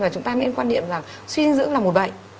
chúng ta nên quan niệm là xuyên dưỡng là một bệnh